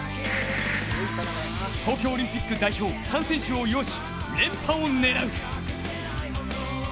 東京オリンピック代表、３選手をようし、連覇を狙う。